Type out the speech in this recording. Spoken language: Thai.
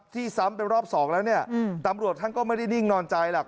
ซ้ำเป็นรอบสองแล้วเนี่ยตำรวจท่านก็ไม่ได้นิ่งนอนใจหรอก